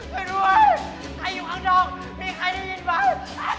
ใครอยู่ข้างนอกมีใครได้ยินไหม